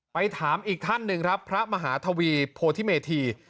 ไปถามอีกท่านหนึ่งครับพระมหาทวีโพธิเมธี